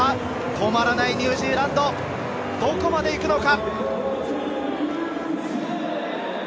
止まらないニュージーランド、どこまで行くのか？